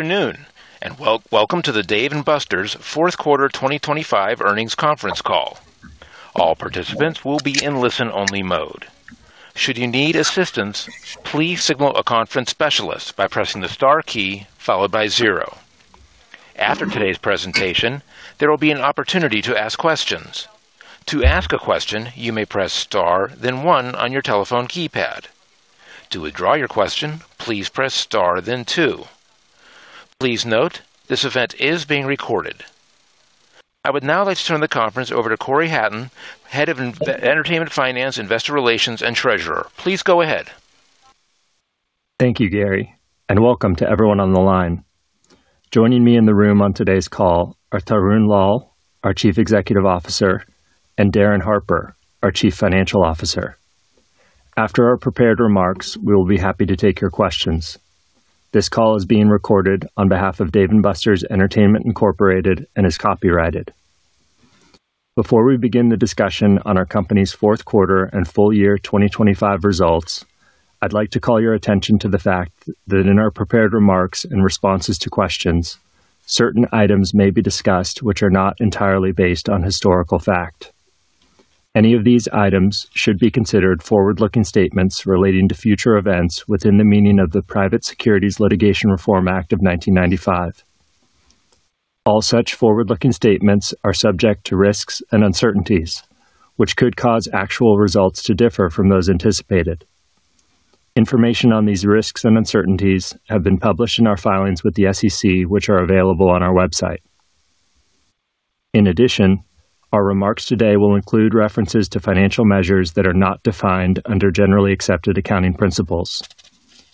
Afternoon, welcome to the Dave & Buster's fourth quarter 2025 earnings conference call. All participants will be in listen-only mode. Should you need assistance, please signal a conference specialist by pressing the star key followed by zero. After today's presentation, there will be an opportunity to ask questions. To ask a question, you may press star then one on your telephone keypad. To withdraw your question, please press star then two. Please note, this event is being recorded. I would now like to turn the conference over to Cory Hatton, Head of Entertainment Finance, Investor Relations, and Treasurer. Please go ahead. Thank you, Gary, and welcome to everyone on the line. Joining me in the room on today's call are Tarun Lal, our Chief Executive Officer, and Darin Harper, our Chief Financial Officer. After our prepared remarks, we will be happy to take your questions. This call is being recorded on behalf of Dave & Buster's Entertainment, Inc. and is copyrighted. Before we begin the discussion on our company's fourth quarter and full year 2025 results, I'd like to call your attention to the fact that in our prepared remarks and responses to questions, certain items may be discussed which are not entirely based on historical fact. Any of these items should be considered forward-looking statements relating to future events within the meaning of the Private Securities Litigation Reform Act of 1995. All such forward-looking statements are subject to risks and uncertainties, which could cause actual results to differ from those anticipated. Information on these risks and uncertainties have been published in our filings with the SEC, which are available on our website. In addition, our remarks today will include references to financial measures that are not defined under generally accepted accounting principles.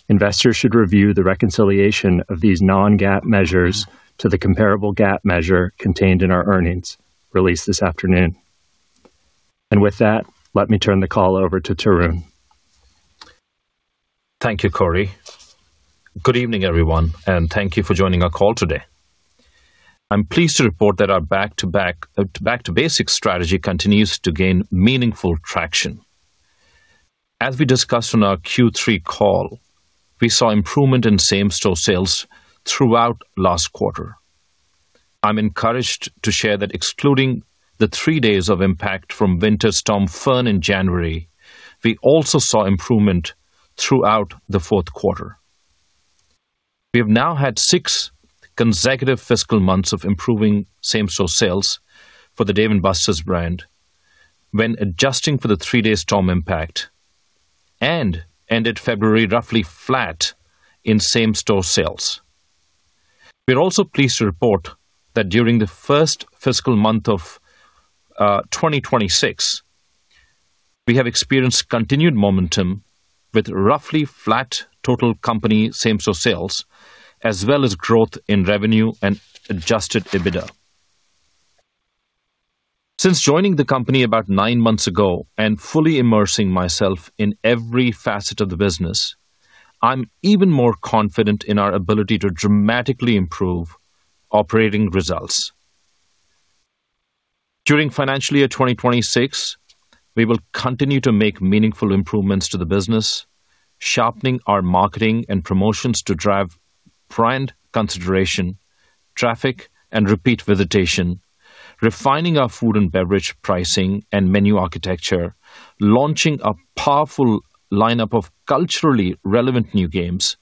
Investors should review the reconciliation of these non-GAAP measures to the comparable GAAP measure contained in our earnings released this afternoon. With that, let me turn the call over to Tarun. Thank you, Cory. Good evening, everyone, and thank you for joining our call today. I'm pleased to report that our back to basics strategy continues to gain meaningful traction. As we discussed on our Q3 call, we saw improvement in same-store sales throughout last quarter. I'm encouraged to share that excluding the three days of impact from Winter Storm Fern in January, we also saw improvement throughout the fourth quarter. We have now had six consecutive fiscal months of improving same-store sales for the Dave & Buster's brand when adjusting for the three-day storm impact and ended February roughly flat in same-store sales. We are also pleased to report that during the first fiscal month of 2026, we have experienced continued momentum with roughly flat total company same-store sales, as well as growth in revenue and adjusted EBITDA. Since joining the company about nine months ago and fully immersing myself in every facet of the business, I'm even more confident in our ability to dramatically improve operating results. During fiscal year 2026, we will continue to make meaningful improvements to the business, sharpening our marketing and promotions to drive brand consideration, traffic, and repeat visitation, refining our food and beverage pricing and menu architecture, launching a powerful lineup of culturally relevant new games,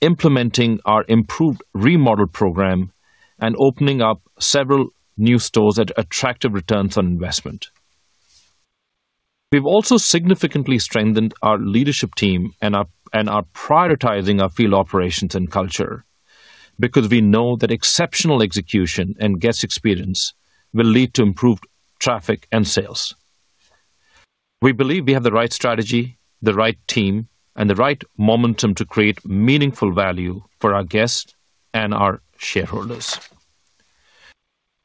implementing our improved remodeled program, and opening up several new stores at attractive returns on investment. We've also significantly strengthened our leadership team and are prioritizing our field operations and culture because we know that exceptional execution and guest experience will lead to improved traffic and sales. We believe we have the right strategy, the right team, and the right momentum to create meaningful value for our guests and our shareholders.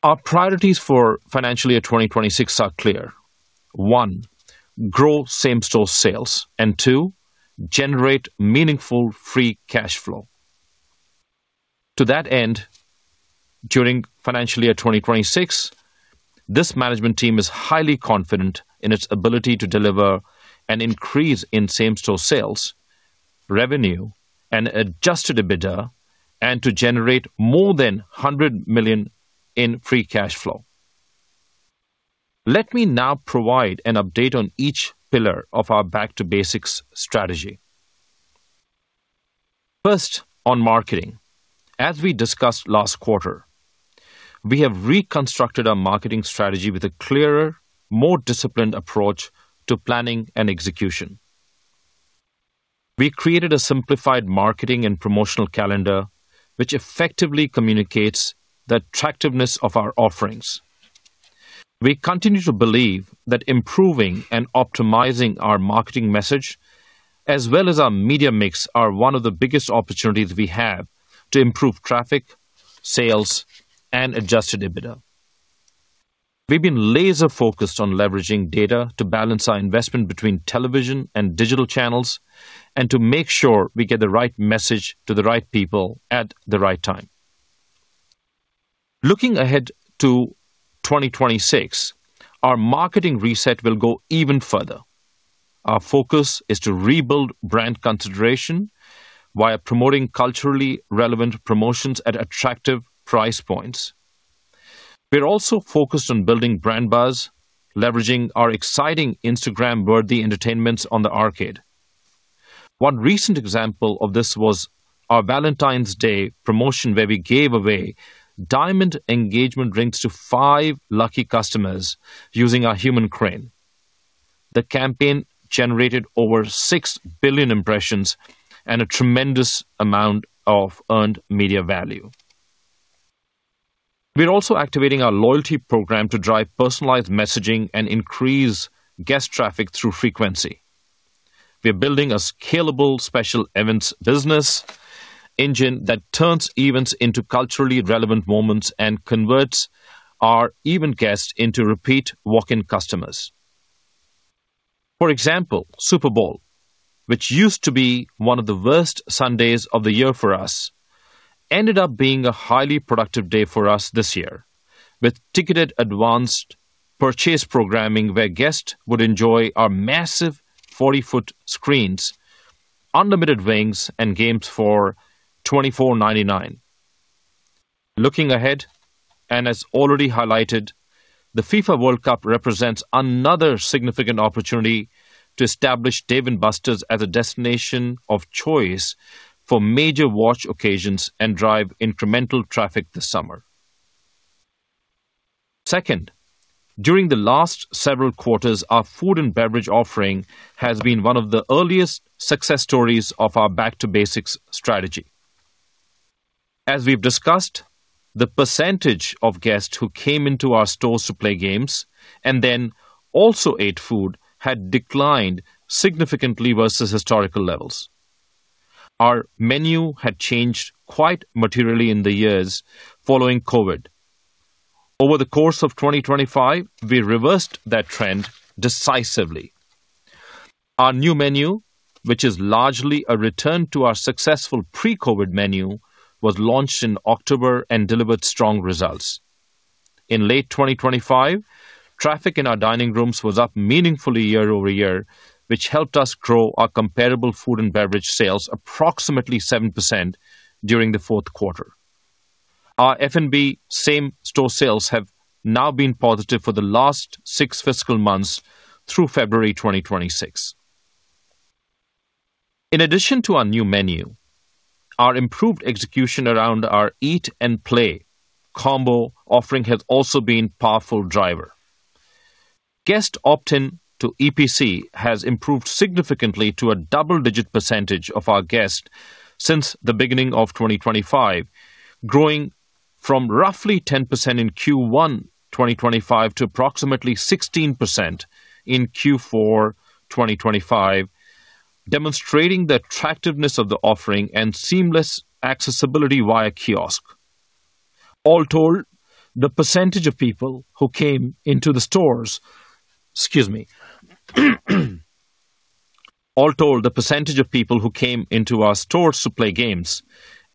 Our priorities for financial year 2026 are clear. One, grow same-store sales. Two, generate meaningful free cash flow. To that end, during financial year 2026, this management team is highly confident in its ability to deliver an increase in same-store sales, revenue, and adjusted EBITDA and to generate more than $100 million in free cash flow. Let me now provide an update on each pillar of our back to basics strategy. First, on marketing. As we discussed last quarter, we have reconstructed our marketing strategy with a clearer, more disciplined approach to planning and execution. We created a simplified marketing and promotional calendar which effectively communicates the attractiveness of our offerings. We continue to believe that improving and optimizing our marketing message, as well as our media mix, are one of the biggest opportunities we have to improve traffic, sales, and adjusted EBITDA. We've been laser-focused on leveraging data to balance our investment between television and digital channels and to make sure we get the right message to the right people at the right time. Looking ahead to 2026, our marketing reset will go even further. Our focus is to rebuild brand consideration via promoting culturally relevant promotions at attractive price points. We are also focused on building brand buzz, leveraging our exciting Instagram-worthy entertainments on the arcade. One recent example of this was our Valentine's Day promotion, where we gave away diamond engagement rings to five lucky customers using our Human Crane. The campaign generated over 6 billion impressions and a tremendous amount of earned media value. We are also activating our loyalty program to drive personalized messaging and increase guest traffic through frequency. We are building a scalable special events business engine that turns events into culturally relevant moments and converts our event guests into repeat walk-in customers. For example, Super Bowl, which used to be one of the worst Sundays of the year for us, ended up being a highly productive day for us this year, with ticketed advanced purchase programming where guests would enjoy our massive 40-foot screens, unlimited wings, and games for $24.99. Looking ahead, and as already highlighted, the FIFA World Cup represents another significant opportunity to establish Dave & Buster's as a destination of choice for major watch occasions and drive incremental traffic this summer. Second, during the last several quarters, our food and beverage offering has been one of the earliest success stories of our back-to-basics strategy. As we've discussed, the percentage of guests who came into our stores to play games and then also ate food had declined significantly versus historical levels. Our menu had changed quite materially in the years following COVID. Over the course of 2025, we reversed that trend decisively. Our new menu, which is largely a return to our successful pre-COVID menu, was launched in October and delivered strong results. In late 2025, traffic in our dining rooms was up meaningfully year-over-year, which helped us grow our comparable food and beverage sales approximately 7% during the fourth quarter. Our F&B same-store sales have now been positive for the last six fiscal months through February 2026. In addition to our new menu, our improved execution around our eat and play combo offering has also been powerful driver. Guest opt-in to EPC has improved significantly to a double-digit percentage of our guests since the beginning of 2025, growing from roughly 10% in Q1 2025 to approximately 16% in Q4 2025, demonstrating the attractiveness of the offering and seamless accessibility via kiosk. All told, the percentage of people who came into our stores to play games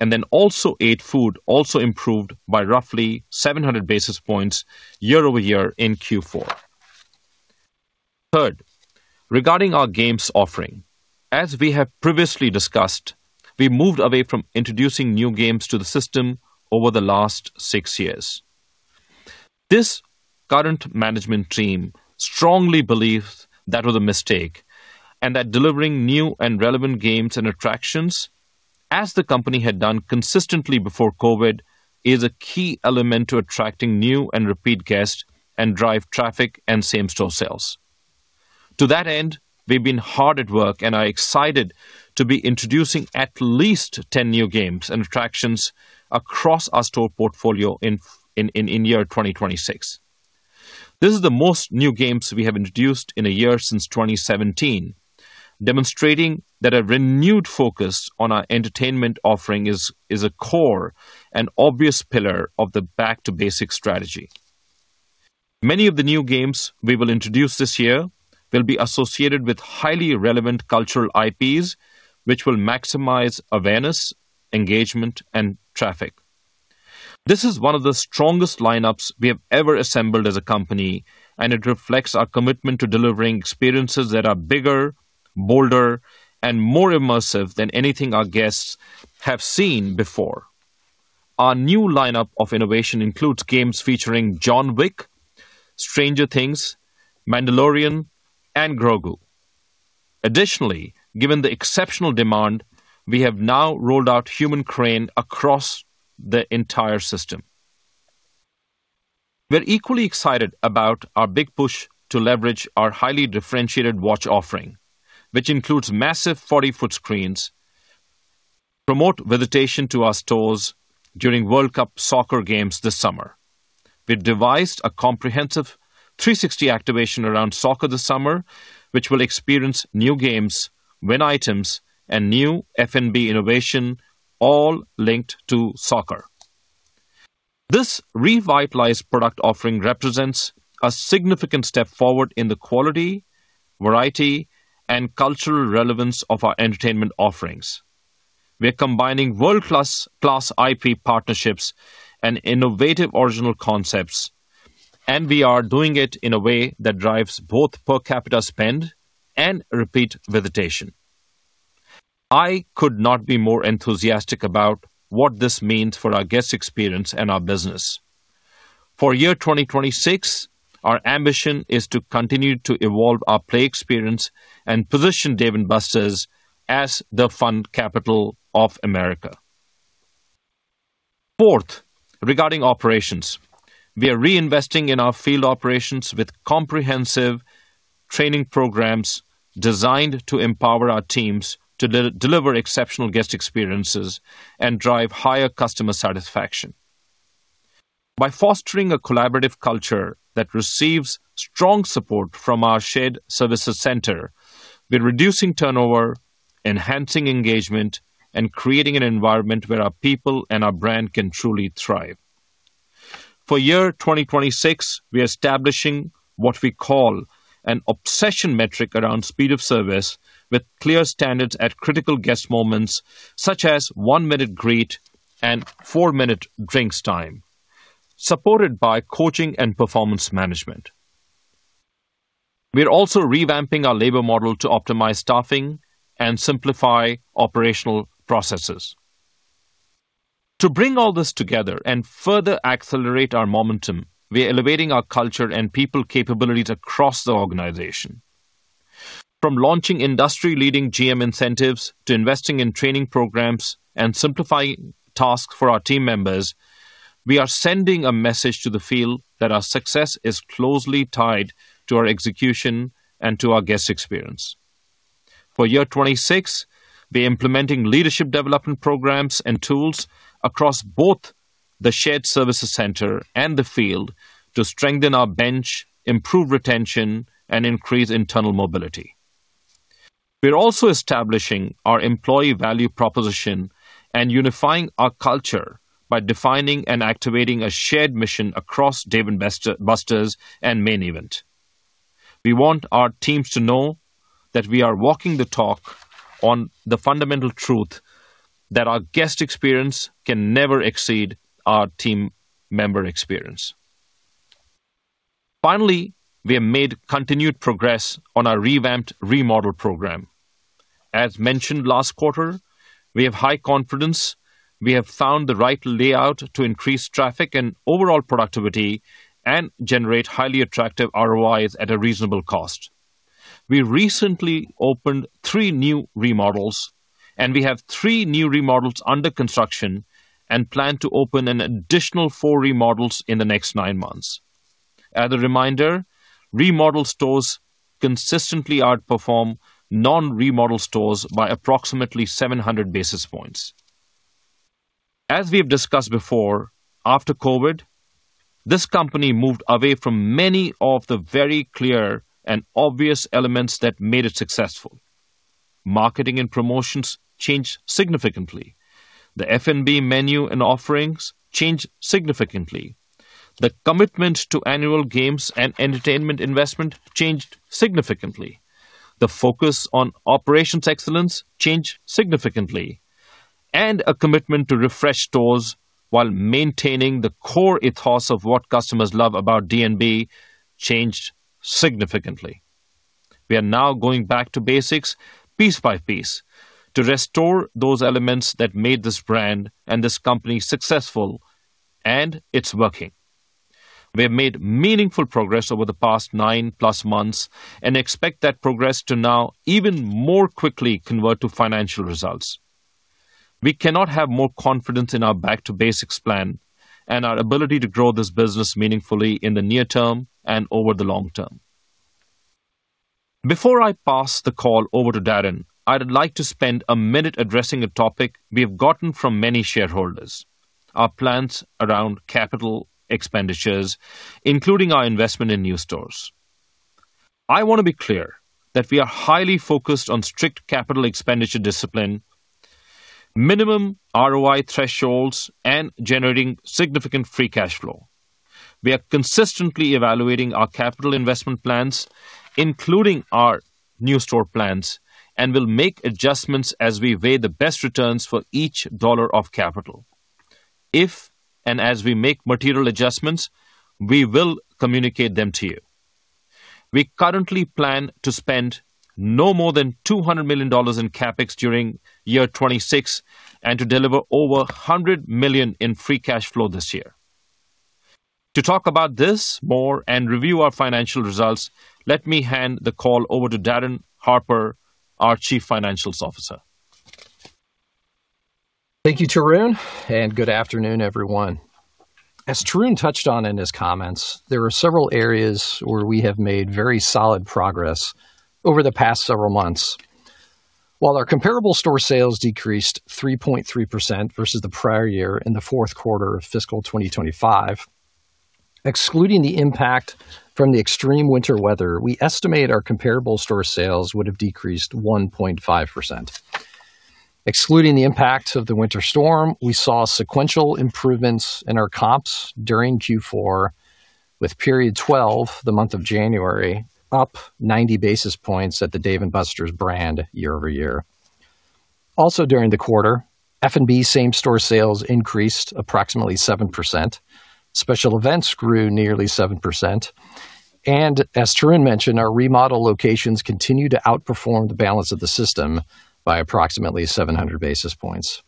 and then also ate food also improved by roughly 700 basis points year-over-year in Q4. Third, regarding our games offering. As we have previously discussed, we moved away from introducing new games to the system over the last six years. This current management team strongly believes that was a mistake and that delivering new and relevant games and attractions as the company had done consistently before COVID is a key element to attracting new and repeat guests and drive traffic and same-store sales. To that end, we've been hard at work and are excited to be introducing at least 10 new games and attractions across our store portfolio in year 2026. This is the most new games we have introduced in a year since 2017, demonstrating that a renewed focus on our entertainment offering is a core and obvious pillar of the back-to-basic strategy. Many of the new games we will introduce this year will be associated with highly relevant cultural IPs, which will maximize awareness, engagement, and traffic. This is one of the strongest lineups we have ever assembled as a company, and it reflects our commitment to delivering experiences that are bigger, bolder, and more immersive than anything our guests have seen before. Our new lineup of innovation includes games featuring John Wick, Stranger Things, Mandalorian, and Grogu. Additionally, given the exceptional demand, we have now rolled out Human Crane across the entire system. We're equally excited about our big push to leverage our highly differentiated watch offering, which includes massive 40-foot screens to promote visitation to our stores during World Cup soccer games this summer. We've devised a comprehensive 360 activation around soccer this summer, which will experience new games, win items, and new F&B innovation all linked to soccer. This revitalized product offering represents a significant step forward in the quality, variety, and cultural relevance of our entertainment offerings. We are combining world-class IP partnerships and innovative original concepts, and we are doing it in a way that drives both per capita spend and repeat visitation. I could not be more enthusiastic about what this means for our guest experience and our business. For 2026, our ambition is to continue to evolve our play experience and position Dave & Buster's as the fun capital of America. Fourth, regarding operations. We are reinvesting in our field operations with comprehensive training programs designed to empower our teams to deliver exceptional guest experiences and drive higher customer satisfaction. By fostering a collaborative culture that receives strong support from our shared services center, we're reducing turnover, enhancing engagement, and creating an environment where our people and our brand can truly thrive. For year 2026, we are establishing what we call an obsession metric around speed of service with clear standards at critical guest moments, such as one-minute greet and four-minute drinks time, supported by coaching and performance management. We are also revamping our labor model to optimize staffing and simplify operational processes. To bring all this together and further accelerate our momentum, we are elevating our culture and people capabilities across the organization. From launching industry-leading GM incentives to investing in training programs and simplifying tasks for our team members, we are sending a message to the field that our success is closely tied to our execution and to our guest experience. For year 2026, we're implementing leadership development programs and tools across both the shared services center and the field to strengthen our bench, improve retention, and increase internal mobility. We're also establishing our employee value proposition and unifying our culture by defining and activating a shared mission across Dave & Buster's and Main Event. We want our teams to know that we are walking the talk on the fundamental truth that our guest experience can never exceed our team member experience. Finally, we have made continued progress on our revamped remodel program. As mentioned last quarter, we have high confidence. We have found the right layout to increase traffic and overall productivity and generate highly attractive ROIs at a reasonable cost. We recently opened three new remodels, and we have three new remodels under construction and plan to open an additional four remodels in the next nine months. As a reminder, remodel stores consistently outperform non-remodel stores by approximately 700 basis points. As we've discussed before, after COVID, this company moved away from many of the very clear and obvious elements that made it successful. Marketing and promotions changed significantly. The F&B menu and offerings changed significantly. The commitment to annual games and entertainment investment changed significantly. The focus on operations excellence changed significantly, and a commitment to refresh stores while maintaining the core ethos of what customers love about D&B changed significantly. We are now going back to basics piece by piece to restore those elements that made this brand and this company successful, and it's working. We have made meaningful progress over the past 9+ months and expect that progress to now even more quickly convert to financial results. We cannot have more confidence in our back-to-basics plan and our ability to grow this business meaningfully in the near term and over the long term. Before I pass the call over to Darin, I'd like to spend a minute addressing a topic we have gotten from many shareholders, our plans around capital expenditures, including our investment in new stores. I wanna be clear that we are highly focused on strict capital expenditure discipline, minimum ROI thresholds, and generating significant free cash flow. We are consistently evaluating our capital investment plans, including our new store plans, and will make adjustments as we weigh the best returns for each dollar of capital. If and as we make material adjustments, we will communicate them to you. We currently plan to spend no more than $200 million in CapEx during 2026 and to deliver over $100 million in free cash flow this year. To talk about this more and review our financial results, let me hand the call over to Darin Harper, our Chief Financial Officer. Thank you, Tarun, and good afternoon, everyone. As Tarun touched on in his comments, there are several areas where we have made very solid progress over the past several months. While our comparable store sales decreased 3.3% versus the prior year in the fourth quarter of fiscal 2025, excluding the impact from the extreme winter weather, we estimate our comparable store sales would have decreased 1.5%. Excluding the impact of the winter storm, we saw sequential improvements in our comps during Q4 with period 12, the month of January, up 90 basis points at the Dave & Buster's brand year-over-year. Also during the quarter, F&B same-store sales increased approximately 7%. Special events grew nearly 7%. As Tarun mentioned, our remodel locations continue to outperform the balance of the system by approximately 700 basis points.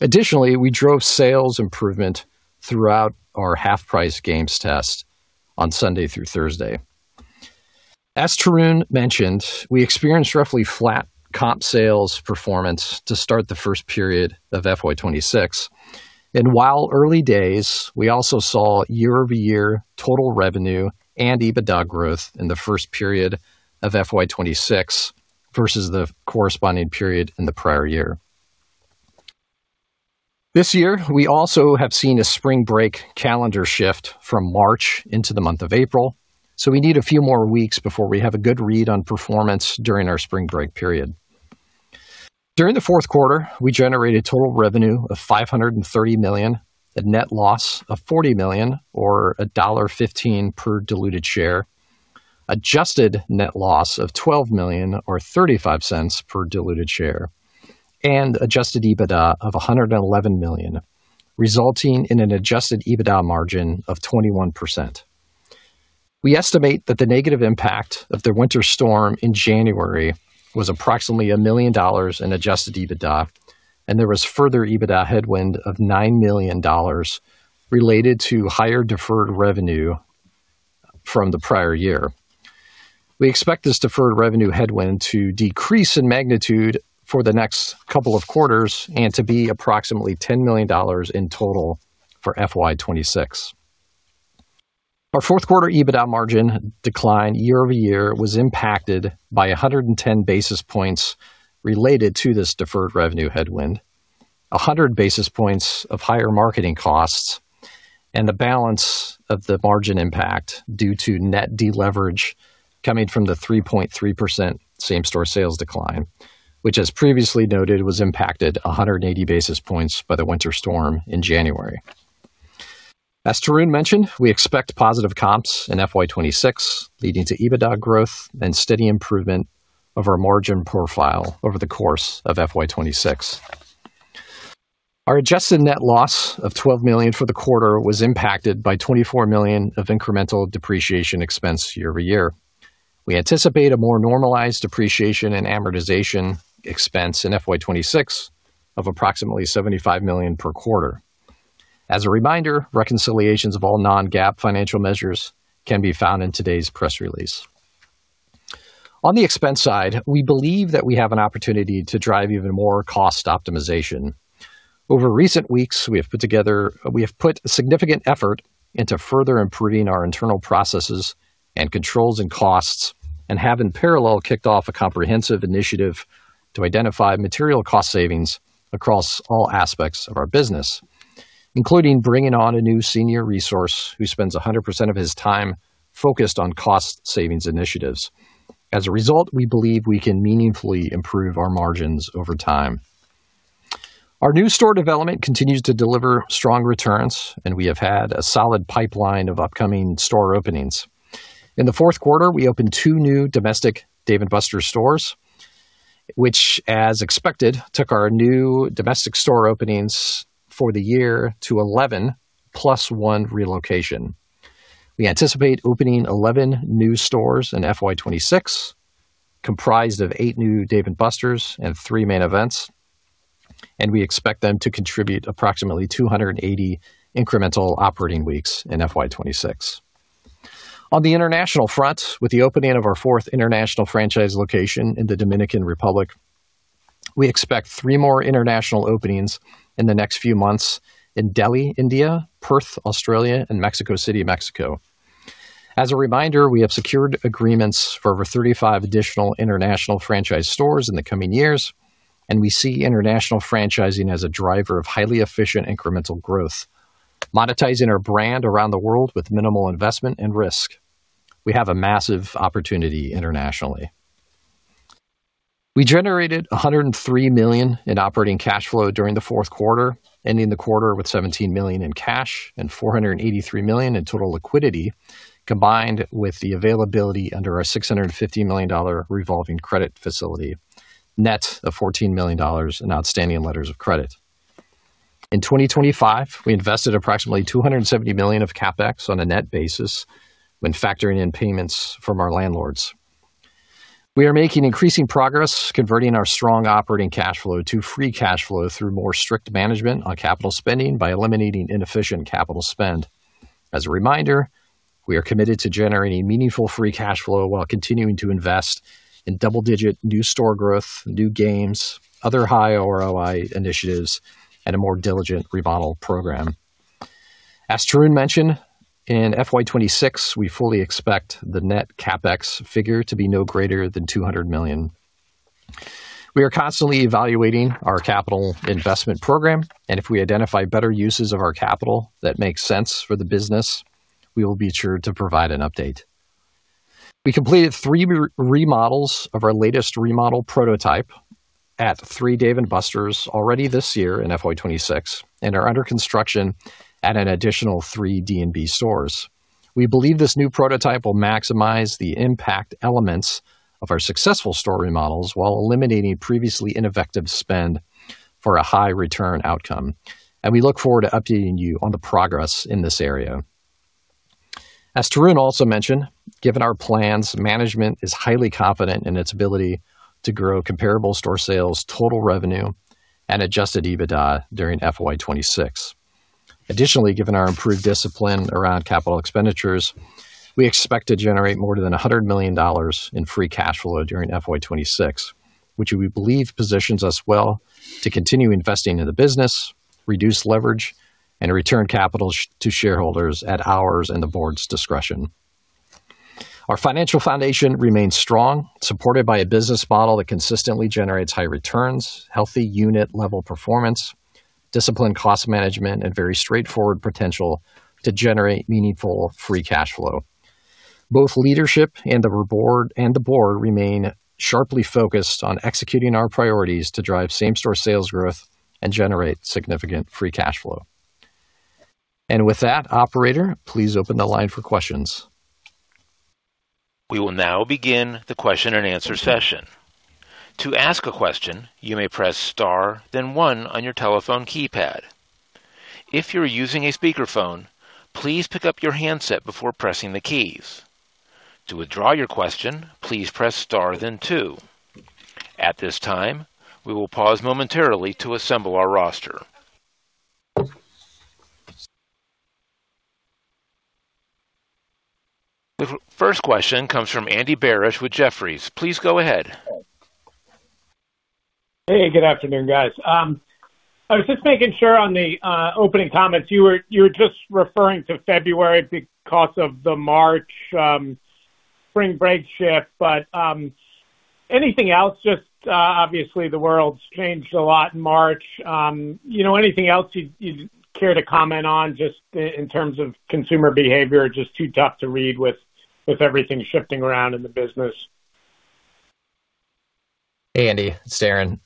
Additionally, we drove sales improvement throughout our half-price games test on Sunday through Thursday. As Tarun mentioned, we experienced roughly flat comp sales performance to start the first period of FY 2026. While early days, we also saw year-over-year total revenue and EBITDA growth in the first period of FY 2026 versus the corresponding period in the prior year. This year, we also have seen a spring break calendar shift from March into the month of April, so we need a few more weeks before we have a good read on performance during our spring break period. During the fourth quarter, we generated total revenue of $530 million, a net loss of $40 million or $1.15 per diluted share, adjusted net loss of $12 million or $0.35 per diluted share, and adjusted EBITDA of $111 million, resulting in an adjusted EBITDA margin of 21%. We estimate that the negative impact of the winter storm in January was approximately $1 million in adjusted EBITDA, and there was further EBITDA headwind of $9 million related to higher deferred revenue from the prior year. We expect this deferred revenue headwind to decrease in magnitude for the next couple of quarters and to be approximately $10 million in total for FY 2026. Our fourth quarter EBITDA margin decline year-over-year was impacted by 110 basis points related to this deferred revenue headwind, 100 basis points of higher marketing costs, and the balance of the margin impact due to net deleverage coming from the 3.3% same-store sales decline, which as previously noted, was impacted 180 basis points by the winter storm in January. As Tarun mentioned, we expect positive comps in FY 2026, leading to EBITDA growth and steady improvement of our margin profile over the course of FY 2026. Our adjusted net loss of $12 million for the quarter was impacted by $24 million of incremental depreciation expense year-over-year. We anticipate a more normalized depreciation and amortization expense in FY 2026 of approximately $75 million per quarter. As a reminder, reconciliations of all non-GAAP financial measures can be found in today's press release. On the expense side, we believe that we have an opportunity to drive even more cost optimization. Over recent weeks, we have put significant effort into further improving our internal processes and controls and costs and have in parallel kicked off a comprehensive initiative to identify material cost savings across all aspects of our business, including bringing on a new senior resource who spends 100% of his time focused on cost savings initiatives. As a result, we believe we can meaningfully improve our margins over time. Our new store development continues to deliver strong returns, and we have had a solid pipeline of upcoming store openings. In the fourth quarter, we opened two new domestic Dave & Buster's stores, which, as expected, took our new domestic store openings for the year to 11 + 1 relocation. We anticipate opening 11 new stores in FY 2026, comprised of eight new Dave & Buster's and three Main Event, and we expect them to contribute approximately 280 incremental operating weeks in FY 2026. On the international front, with the opening of our fourth international franchise location in the Dominican Republic, we expect three more international openings in the next few months in Delhi, India, Perth, Australia, and Mexico City, Mexico. As a reminder, we have secured agreements for over 35 additional international franchise stores in the coming years, and we see international franchising as a driver of highly efficient incremental growth, monetizing our brand around the world with minimal investment and risk. We have a massive opportunity internationally. We generated $103 million in operating cash flow during the fourth quarter, ending the quarter with $17 million in cash and $483 million in total liquidity, combined with the availability under our $650 million revolving credit facility, net of $14 million in outstanding letters of credit. In 2025, we invested approximately $270 million of CapEx on a net basis when factoring in payments from our landlords. We are making increasing progress converting our strong operating cash flow to free cash flow through more strict management on capital spending by eliminating inefficient capital spend. As a reminder, we are committed to generating meaningful free cash flow while continuing to invest in double-digit new store growth, new games, other high ROI initiatives, and a more diligent remodel program. As Tarun mentioned, in FY 2026, we fully expect the net CapEx figure to be no greater than $200 million. We are constantly evaluating our capital investment program, and if we identify better uses of our capital that makes sense for the business, we will be sure to provide an update. We completed three re-remodels of our latest remodel prototype at three Dave & Buster's already this year in FY 2026, and are under construction at an additional three D&B stores. We believe this new prototype will maximize the impact elements of our successful store remodels while eliminating previously ineffective spend for a high return outcome. We look forward to updating you on the progress in this area. As Tarun also mentioned, given our plans, management is highly confident in its ability to grow comparable store sales, total revenue, and adjusted EBITDA during FY 2026. Additionally, given our improved discipline around capital expenditures, we expect to generate more than $100 million in free cash flow during FY 2026, which we believe positions us well to continue investing in the business, reduce leverage, and return capital to shareholders at ours and the board's discretion. Our financial foundation remains strong, supported by a business model that consistently generates high returns, healthy unit level performance, disciplined cost management, and very straightforward potential to generate meaningful free cash flow. Both leadership and the board remain sharply focused on executing our priorities to drive same-store sales growth and generate significant free cash flow. With that, operator, please open the line for questions. We will now begin the question and answer session. To ask a question, you may press star, then one on your telephone keypad. If you're using a speakerphone, please pick up your handset before pressing the keys. To withdraw your question, please press star then two. At this time, we will pause momentarily to assemble our roster. The first question comes from Andy Barish with Jefferies. Please go ahead. Hey, good afternoon, guys. I was just making sure on the opening comments you were just referring to February because of the March spring break shift. Anything else just obviously the world's changed a lot in March. You know, anything else you'd care to comment on just in terms of consumer behavior, just too tough to read with everything shifting around in the business. Hey, Andy, it's Darin.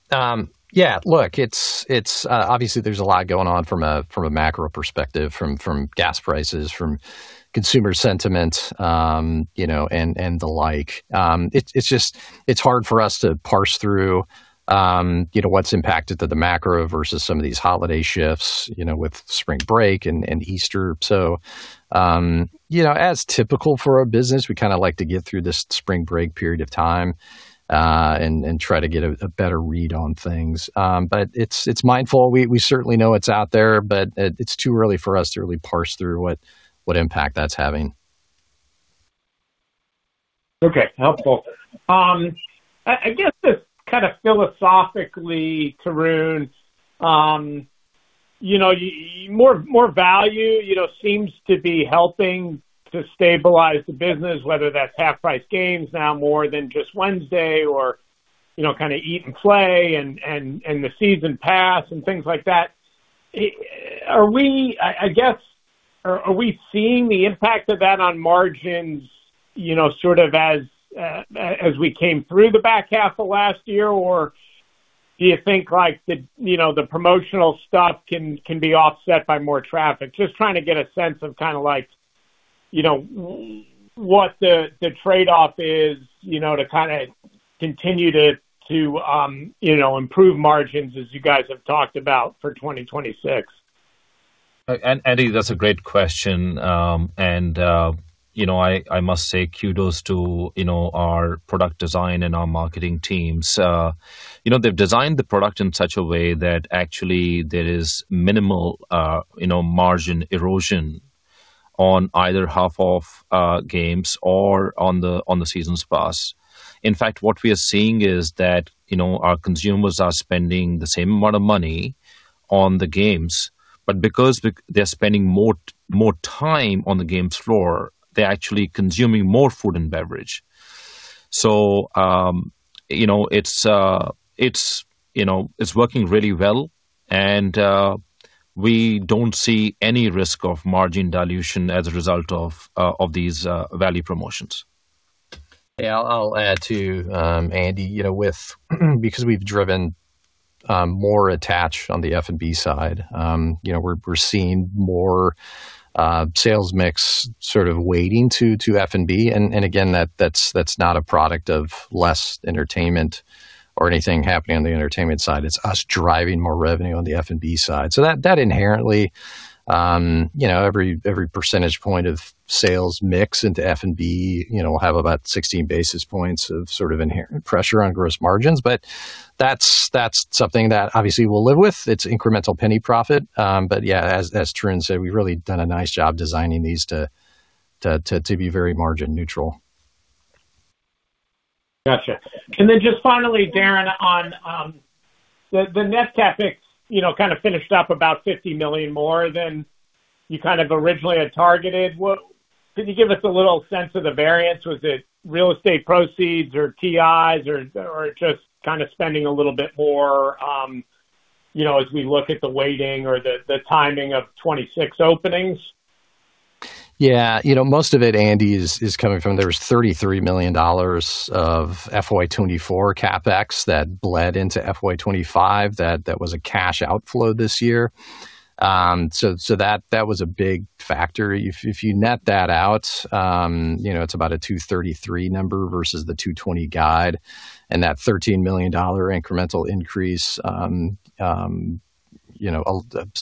Yeah, look, it's obviously there's a lot going on from a macro perspective, from gas prices, from consumer sentiment, you know, and the like. It's just hard for us to parse through, you know, what's impacted by the macro versus some of these holiday shifts, you know, with spring break and Easter. You know, as typical for our business, we kind of like to get through this spring break period of time, and try to get a better read on things. It's mindful. We certainly know it's out there, but it's too early for us to really parse through what impact that's having. Okay. Helpful. I guess just kind of philosophically, Tarun, you know, more value, you know, seems to be helping to stabilize the business, whether that's half-price games now more than just Wednesday or, you know, kind of eat and play and the season pass and things like that. Are we seeing the impact of that on margins, you know, sort of as we came through the back half of last year? Or do you think like the, you know, the promotional stuff can be offset by more traffic? Just trying to get a sense of kind of like, you know, what the trade-off is, you know, to kind of continue to improve margins as you guys have talked about for 2026. Andy, that's a great question. You know, I must say kudos to, you know, our product design and our marketing teams. You know, they've designed the product in such a way that actually there is minimal, you know, margin erosion on either half of games or on the seasons pass. In fact, what we are seeing is that, you know, our consumers are spending the same amount of money on the games, but because they're spending more time on the games floor, they're actually consuming more food and beverage. You know, it's working really well and we don't see any risk of margin dilution as a result of these value promotions. Yeah. I'll add too, Andy, you know, with because we've driven more attach on the F&B side, you know, we're seeing more sales mix sort of weighting to F&B. Again, that's not a product of less entertainment or anything happening on the entertainment side. It's us driving more revenue on the F&B side. That inherently, you know, every percentage point of sales mix into F&B, you know, will have about 16 basis points of sort of inherent pressure on gross margins. That's something that obviously we'll live with. It's incremental penny profit. Yeah, as Tarun said, we've really done a nice job designing these to be very margin neutral. Gotcha. Just finally, Darin, on the net CapEx, you know, kind of finished up about $50 million more than you kind of originally had targeted. What can you give us a little sense of the variance? Was it real estate proceeds or TIs or just kind of spending a little bit more? You know, as we look at the weighting or the timing of 2026 openings. Yeah. You know, most of it, Andy, is coming from there was $33 million of FY 2024 CapEx that bled into FY 2025 that was a cash outflow this year. So that was a big factor. If you net that out, you know, it's about a 233 number versus the 220 guide, and that $13 million incremental increase, you know,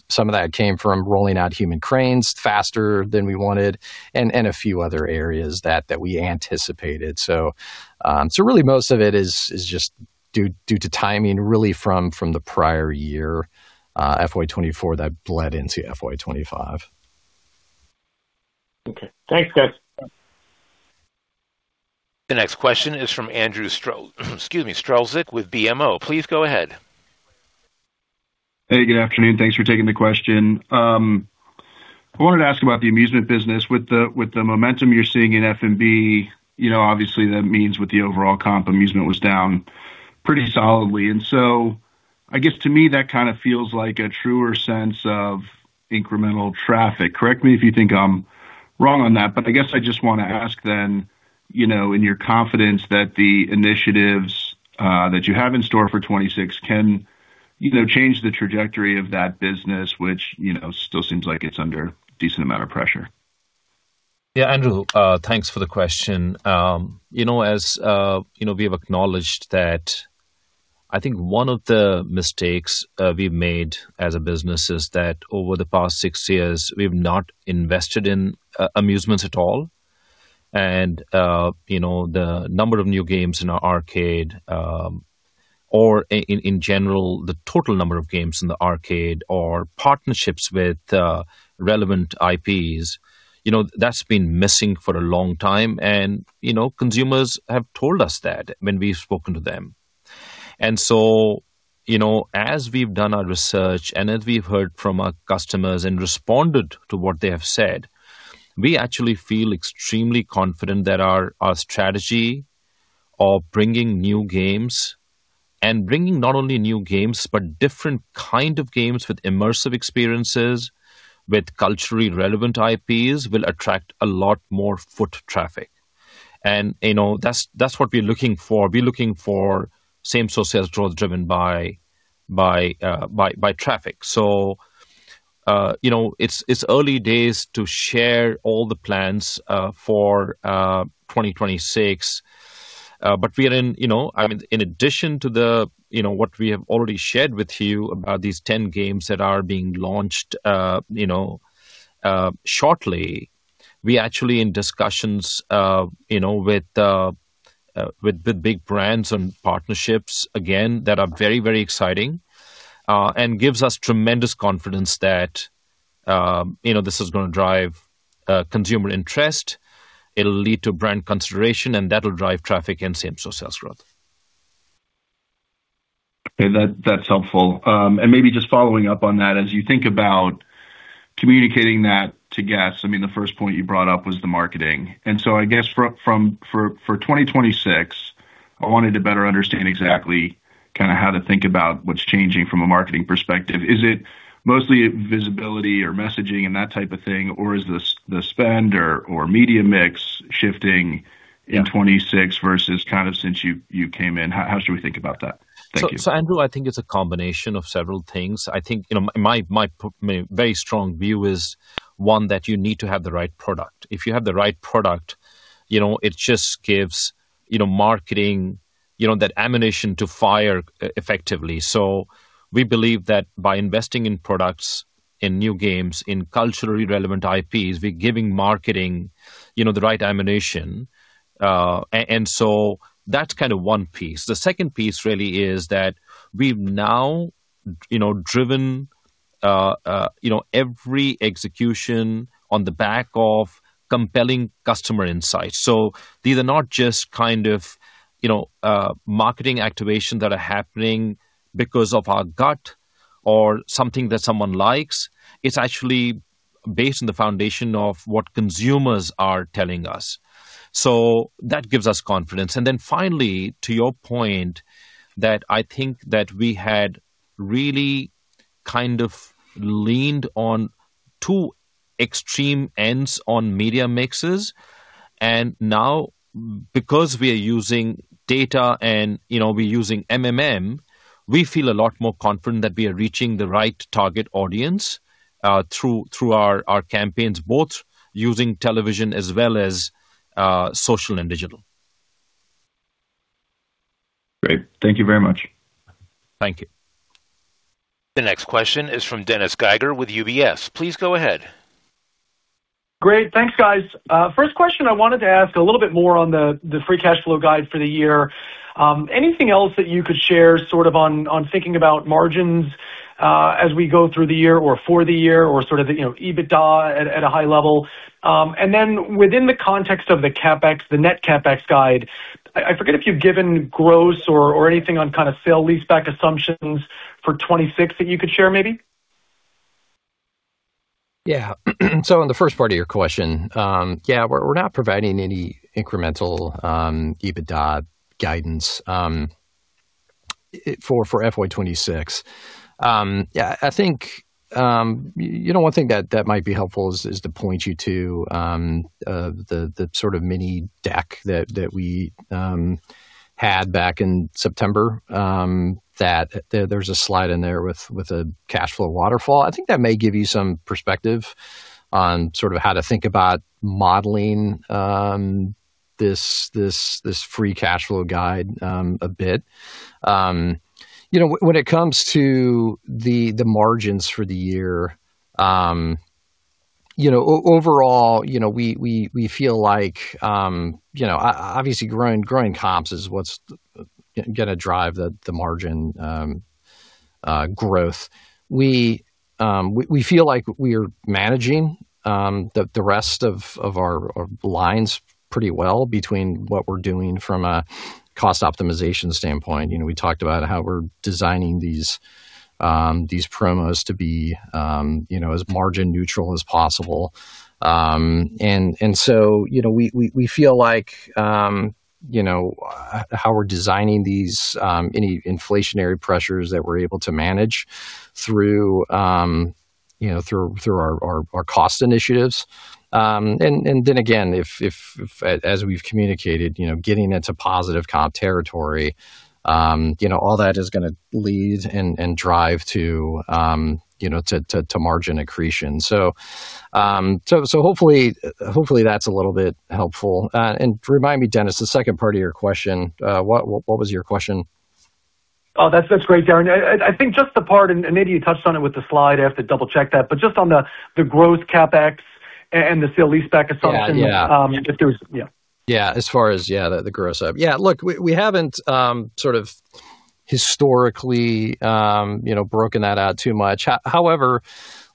some of that came from rolling out Human Cranes faster than we wanted and a few other areas that we anticipated. So really most of it is just due to timing really from the prior year, FY 2024 that bled into FY 2025. Okay. Thanks, guys. The next question is from Andrew Strelzik with BMO. Please go ahead. Hey, good afternoon. Thanks for taking the question. I wanted to ask about the amusement business. With the momentum you're seeing in F&B, you know, obviously that means with the overall comp amusement was down pretty solidly. I guess to me that kind of feels like a truer sense of incremental traffic. Correct me if you think I'm wrong on that, but I guess I just wanna ask then, you know, in your confidence that the initiatives that you have in store for 2026 can, you know, change the trajectory of that business, which, you know, still seems like it's under a decent amount of pressure. Yeah. Andrew, thanks for the question. You know, as you know, we have acknowledged that I think one of the mistakes we've made as a business is that over the past six years, we've not invested in amusements at all. You know, the number of new games in our arcade or in general, the total number of games in the arcade or partnerships with relevant IPs, you know, that's been missing for a long time. You know, consumers have told us that when we've spoken to them. You know, as we've done our research and as we've heard from our customers and responded to what they have said, we actually feel extremely confident that our strategy of bringing new games and bringing not only new games, but different kind of games with immersive experiences, with culturally relevant IPs, will attract a lot more foot traffic. You know, that's what we're looking for. We're looking for same-store sales growth driven by traffic. You know, it's early days to share all the plans for 2026. But we are in, you know... I mean, in addition to the, you know, what we have already shared with you about these 10 games that are being launched, you know, shortly, we actually in discussions, you know, with with the big brands and partnerships again, that are very, very exciting, and gives us tremendous confidence that, you know, this is gonna drive, consumer interest, it'll lead to brand consideration, and that'll drive traffic and same-store sales growth. Okay. That's helpful. Maybe just following up on that, as you think about communicating that to guests, I mean, the first point you brought up was the marketing. I guess for 2026, I wanted to better understand exactly kinda how to think about what's changing from a marketing perspective. Is it mostly visibility or messaging and that type of thing, or is the spend or media mix shifting in 2026 versus kind of since you came in? How should we think about that? Thank you. Andrew, I think it's a combination of several things. I think you know my very strong view is one that you need to have the right product. If you have the right product, you know, it just gives you know marketing you know that ammunition to fire effectively. We believe that by investing in products, in new games, in culturally relevant IPs, we're giving marketing you know the right ammunition. That's kind of one piece. The second piece really is that we've now you know driven you know every execution on the back of compelling customer insights. These are not just kind of you know marketing activation that are happening because of our gut or something that someone likes. It's actually based on the foundation of what consumers are telling us. That gives us confidence. Then finally, to your point that I think that we had really kind of leaned on two extreme ends on media mixes, and now because we are using data and, you know, we're using MMM, we feel a lot more confident that we are reaching the right target audience through our campaigns, both using television as well as social and digital. Great. Thank you very much. Thank you. The next question is from Dennis Geiger with UBS. Please go ahead. Great. Thanks, guys. The first question I wanted to ask a little bit more on the free cash flow guide for the year. Anything else that you could share sort of on thinking about margins as we go through the year or for the year or sort of, you know, EBITDA at a high level? And then within the context of the CapEx, the net CapEx guide, I forget if you've given gross or anything on kind of sale leaseback assumptions for 2026 that you could share maybe. Yeah. On the first part of your question, we're not providing any incremental EBITDA guidance for FY 2026. I think you know, one thing that might be helpful is to point you to the sort of mini deck that we had back in September, that there's a slide in there with a cash flow waterfall. I think that may give you some perspective on sort of how to think about modeling this free cash flow guide a bit. You know, when it comes to the margins for the year, you know, overall, you know, we feel like you know, obviously growing comps is what's gonna drive the margin growth. We feel like we are managing the rest of our lines pretty well between what we're doing from a cost optimization standpoint. You know, we talked about how we're designing these promos to be, you know, as margin neutral as possible. You know, we feel like how we're designing these any inflationary pressures that we're able to manage through, you know, through our cost initiatives. Again, if, as we've communicated, you know, getting into positive comp territory, you know, all that is gonna lead and drive to, you know, to margin accretion. Hopefully that's a little bit helpful. Remind me, Dennis, the second part of your question. What was your question? Oh, that's great, Darin. I think just the part, and maybe you touched on it with the slide. I have to double-check that. Just on the growth CapEx and the sale-leaseback assumption. Yeah. Yeah. Yeah. As far as the gross up. Yeah, look, we haven't sort of historically you know broken that out too much. However,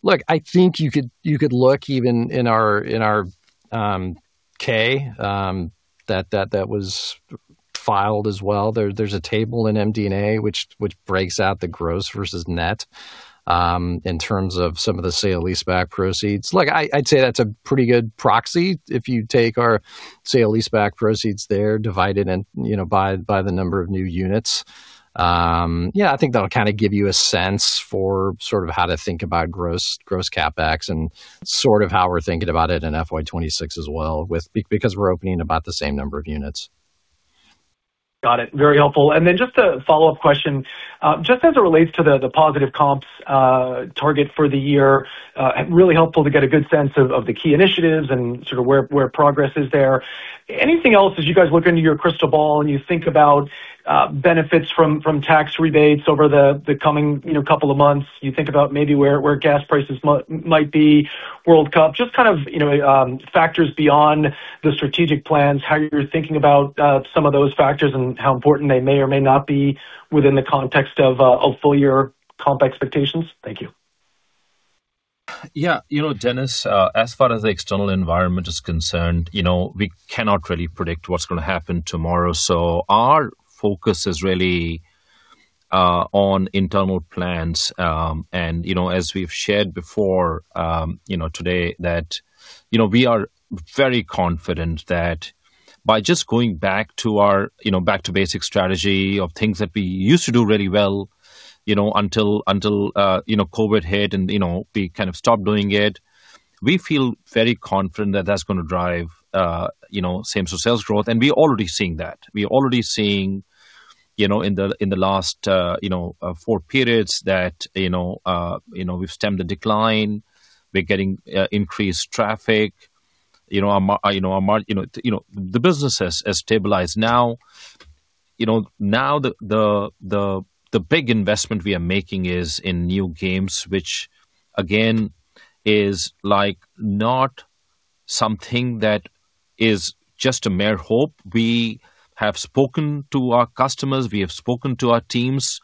look, I think you could look even in our 10-K that was filed as well. There's a table in MD&A which breaks out the gross versus net in terms of some of the sale leaseback proceeds. Look, I'd say that's a pretty good proxy if you take our sale leaseback proceeds there, divide it by the number of new units. Yeah, I think that'll kind of give you a sense for sort of how to think about gross CapEx and sort of how we're thinking about it in FY 2026 as well because we're opening about the same number of units. Got it. Very helpful. Then just a follow-up question. Just as it relates to the positive comps target for the year, really helpful to get a good sense of the key initiatives and sort of where progress is there. Anything else as you guys look into your crystal ball and you think about benefits from tax rebates over the coming, you know, couple of months, you think about maybe where gas prices might be, World Cup. Just kind of, you know, factors beyond the strategic plans, how you're thinking about some of those factors and how important they may or may not be within the context of a full year comp expectations. Thank you. Yeah. You know, Dennis, as far as the external environment is concerned, you know, we cannot really predict what's gonna happen tomorrow. Our focus is really on internal plans. You know, as we've shared before, you know, today, that, you know, we are very confident that by just going back to our, you know, back to basic strategy of things that we used to do really well, you know, until you know, COVID hit and, you know, we kind of stopped doing it. We feel very confident that that's gonna drive, you know, same store sales growth, and we're already seeing that. We're already seeing, you know, in the last, you know, four periods that, you know, we've stemmed the decline, we're getting increased traffic. You know, the business has stabilized now. You know, now the big investment we are making is in new games, which again, is like not something that is just a mere hope. We have spoken to our customers, we have spoken to our teams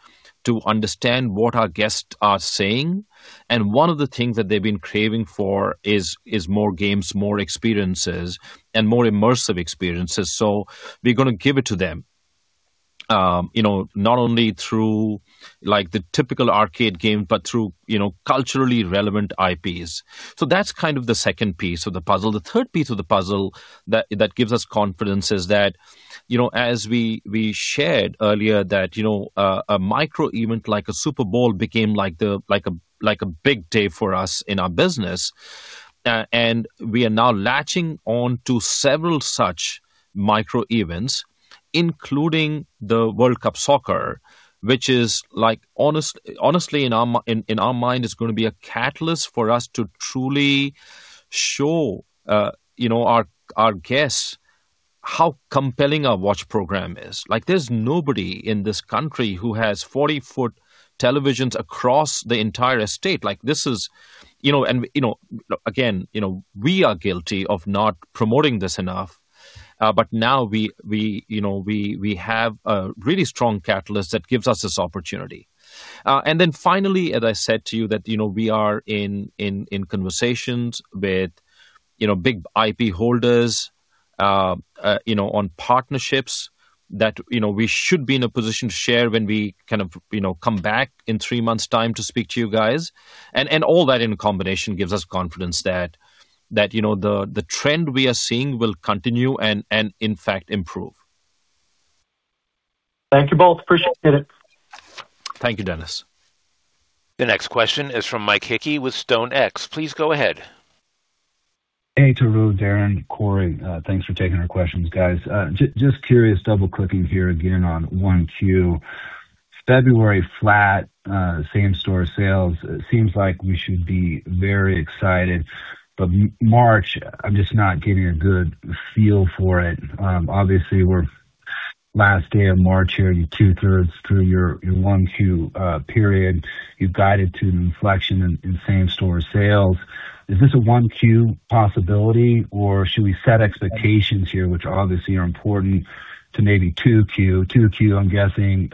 to understand what our guests are saying, and one of the things that they've been craving for is more games, more experiences and more immersive experiences. We're gonna give it to them, you know, not only through like the typical arcade game, but through, you know, culturally relevant IPs. That's kind of the second piece of the puzzle. The third piece of the puzzle that gives us confidence is that, you know, as we shared earlier that, you know, a micro event like a Super Bowl became like a big day for us in our business. We are now latching on to several such micro events, including the World Cup Soccer, which is like honestly in our mind is gonna be a catalyst for us to truly show, you know, our guests how compelling our watch program is. Like, there's nobody in this country who has 40-foot televisions across the entire estate. Like, this is. You know, you know, again, you know, we are guilty of not promoting this enough, but now we have a really strong catalyst that gives us this opportunity. Finally, as I said to you that, you know, we are in conversations with, you know, big IP holders. You know, on partnerships that, you know, we should be in a position to share when we kind of, you know, come back in three months' time to speak to you guys. All that in combination gives us confidence that you know, the trend we are seeing will continue and in fact improve. Thank you both. Appreciate it. Thank you, Dennis. The next question is from Mike Hickey with StoneX. Please go ahead. Hey Tarun, Darin, Cory. Thanks for taking our questions, guys. Just curious, double-clicking here again on 1Q. February flat same-store sales. Seems like we should be very excited. March, I'm just not getting a good feel for it. Obviously we're last day of March here, you're 2/3 through your 1Q period. You've guided to an inflection in same-store sales. Is this a 1Q possibility or should we set expectations here, which obviously are important to maybe 2Q? 2Q, I'm guessing,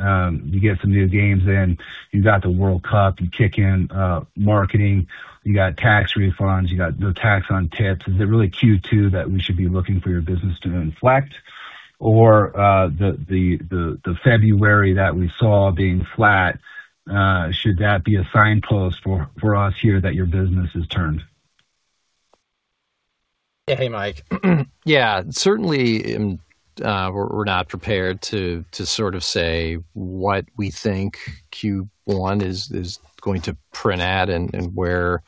you get some new games in, you've got the World Cup, you kick in marketing, you got tax refunds, you got no tax on tips. Is it really Q2 that we should be looking for your business to inflect? The February that we saw being flat, should that be a signpost for us here that your business has turned? Hey, Mike. Yeah, certainly, we're not prepared to sort of say what we think Q1 is going to print at and where,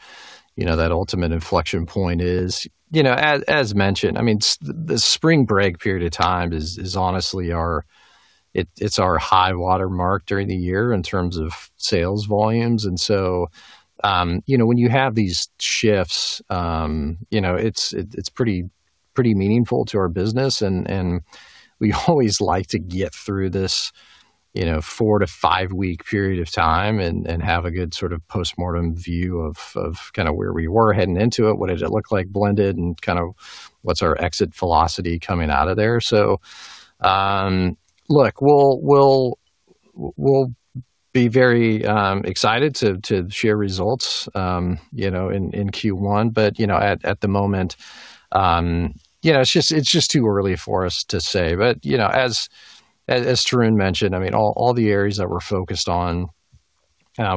you know, that ultimate inflection point is. You know, as mentioned, I mean, the spring break period of time is honestly our high water mark during the year in terms of sales volumes. You know, when you have these shifts, you know, it's pretty meaningful to our business and we always like to get through this, you know, four to five-week period of time and have a good sort of postmortem view of kind of where we were heading into it. What does it look like blended, and kind of what's our exit velocity coming out of there? Look, we'll be very excited to share results, you know, in Q1. You know, at the moment, you know, it's just too early for us to say. You know, as Tarun mentioned, I mean, all the areas that we're focused on,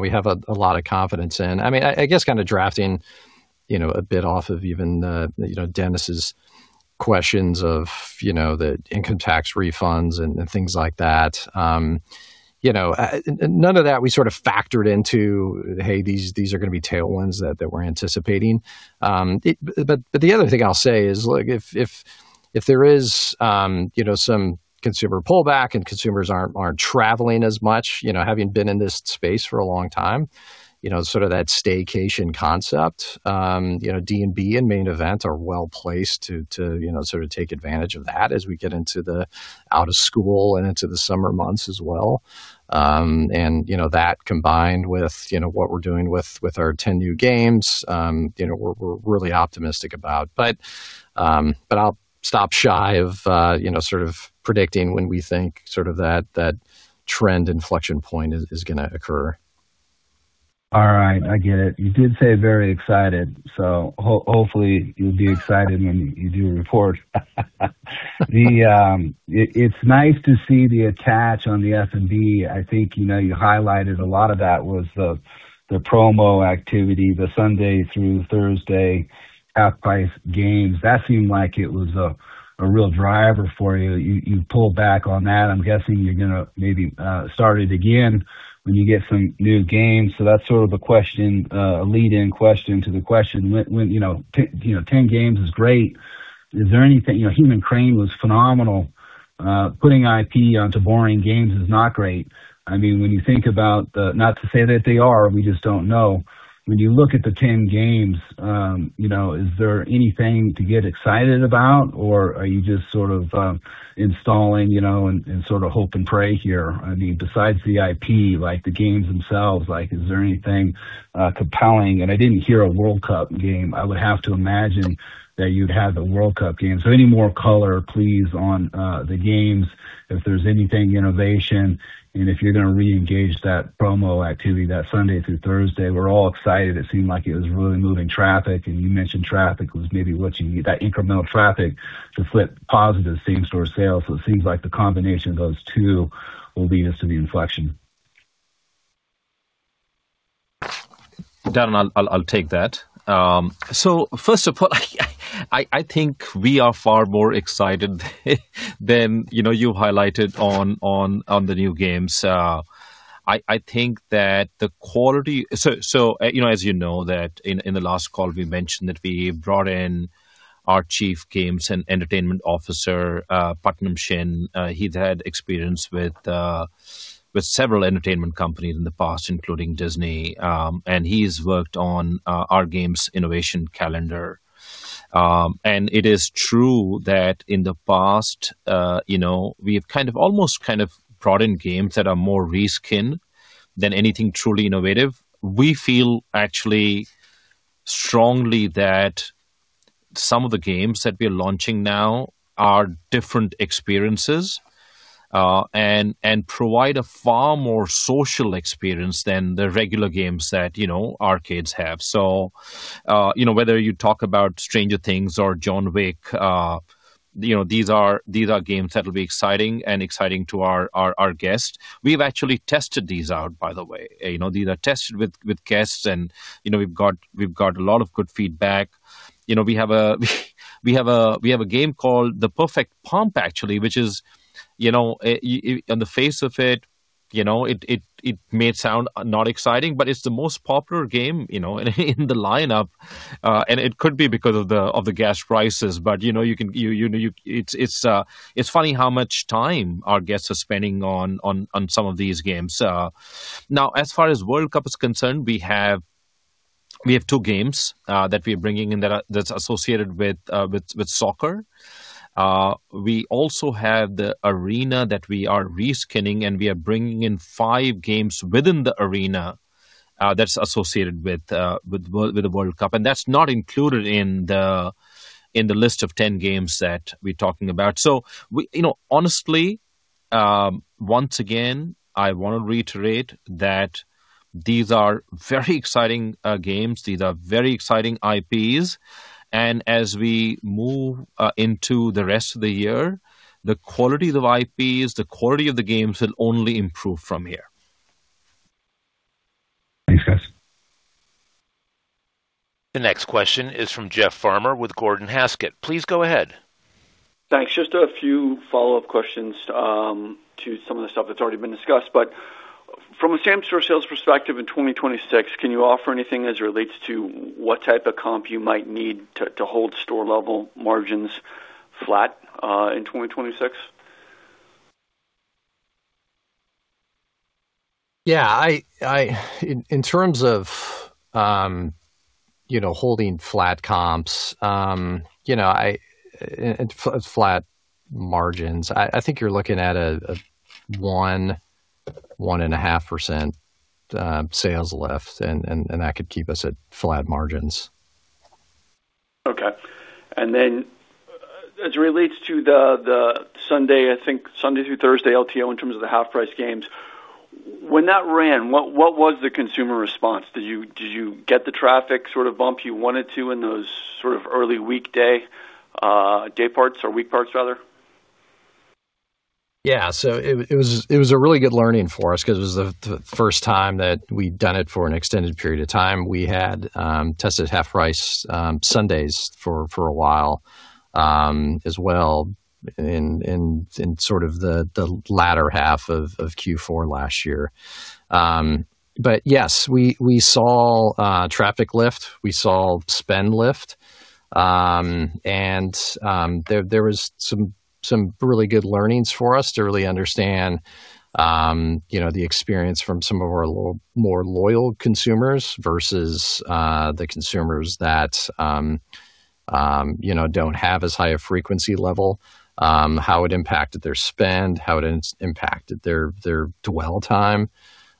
we have a lot of confidence in. I mean, I guess kind of drafting, you know, a bit off of even, you know, Dennis' questions of, you know, the income tax refunds and things like that. You know, none of that, we sort of factored into, "Hey, these are gonna be tailwinds that we're anticipating." The other thing I'll say is, look, if there is, you know, some consumer pullback and consumers aren't traveling as much, you know, having been in this space for a long time, you know, sort of that staycation concept. You know, D&B and Main Event are well-placed to, you know, sort of take advantage of that as we get into the out of school and into the summer months as well. You know, that combined with, you know, what we're doing with our 10 new games, you know, we're really optimistic about. But I'll stop shy of, you know, sort of predicting when we think sort of that trend inflection point is gonna occur. All right, I get it. You did say very excited, hopefully you'll be excited when you do your report. It's nice to see the attach on the F&B. I think, you know, you highlighted a lot of that was the promo activity, the Sunday through Thursday half-price games. That seemed like it was a real driver for you. You pulled back on that. I'm guessing you're gonna maybe start it again when you get some new games. That's sort of a question, a lead-in question to the question. When, you know, 10 games is great. Is there anything. You know, Human Crane was phenomenal. Putting IP onto boring games is not great. I mean, when you think about the. Not to say that they are, we just don't know. When you look at the 10 games, you know, is there anything to get excited about or are you just sort of installing, you know, and sort of hope and pray here? I mean, besides the IP, like the games themselves, like is there anything compelling? I didn't hear a World Cup game. I would have to imagine that you'd have a World Cup game. Any more color, please, on the games, if there's anything innovation and if you're gonna reengage that promo activity that Sunday through Thursday. We're all excited. It seemed like it was really moving traffic, and you mentioned traffic was maybe what you need, that incremental traffic to flip positive same-store sales. It seems like the combination of those two will lead us to the inflection. Darin, I'll take that. First of all, I think we are far more excited than you know you highlighted on the new games. You know, as you know that in the last call we mentioned that we brought in our Chief Games and Entertainment Officer, Putnam Shin. He'd had experience with several entertainment companies in the past, including Disney, and he's worked on our games innovation calendar. It is true that in the past, you know, we've kind of almost brought in games that are more reskin than anything truly innovative. We feel actually strongly that some of the games that we're launching now are different experiences and provide a far more social experience than the regular games that, you know, arcades have. You know, whether you talk about Stranger Things or John Wick, you know, these are games that'll be exciting to our guests. We've actually tested these out, by the way. You know, these are tested with guests and, you know, we've got a lot of good feedback. You know, we have a game called The Perfect Pump, actually, which is, you know, on the face of it, you know, it may sound not exciting, but it's the most popular game, you know, in the lineup. It could be because of the gas prices. You know, you can. It's funny how much time our guests are spending on some of these games. Now, as far as World Cup is concerned, we have two games that we are bringing in that are associated with soccer. We also have the arena that we are reskinning, and we are bringing in five games within the arena that's associated with the World Cup. That's not included in the list of 10 games that we're talking about. You know, honestly, once again, I wanna reiterate that these are very exciting games. These are very exciting IPs. As we move into the rest of the year, the quality of IPs, the quality of the games will only improve from here. Thanks, guys. The next question is from Jeff Farmer with Gordon Haskett. Please go ahead. Thanks. Just a few follow-up questions to some of the stuff that's already been discussed. From a same-store sales perspective in 2026, can you offer anything as it relates to what type of comp you might need to hold store level margins flat in 2026? Yeah. In terms of, you know, holding flat comps, you know, and flat margins, I think you're looking at a 1.5% sales lift and that could keep us at flat margins. Okay. As it relates to the Sunday, I think Sunday through Thursday LTO in terms of the half-price games. When that ran, what was the consumer response? Did you get the traffic sort of bump you wanted to in those sort of early weekday day parts or week parts rather? Yeah. It was a really good learning for us 'cause it was the first time that we'd done it for an extended period of time. We had tested half-price Sundays for a while as well in sort of the latter half of Q4 last year. Yes, we saw traffic lift. We saw spend lift. There was some really good learnings for us to really understand you know the experience from some of our more loyal consumers versus the consumers that you know don't have as high a frequency level, how it impacted their spend, how it impacted their dwell time,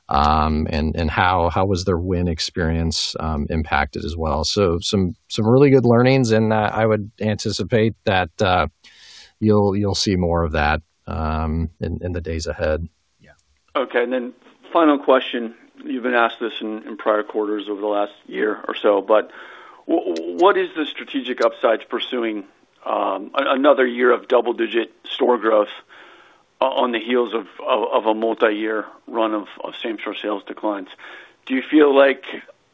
and how was their win experience impacted as well. Some really good learnings, and I would anticipate that you'll see more of that in the days ahead. Yeah. Okay. Final question. You've been asked this in prior quarters over the last year or so. What is the strategic upside to pursuing another year of double-digit store growth on the heels of a multi-year run of same-store sales declines? Do you feel like